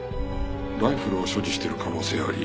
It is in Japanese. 「ライフルを所持している可能性あり」